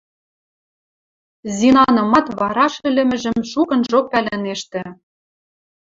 Зинанымат вараш ӹлӹмӹжӹм шукынжок пӓлӹнештӹ.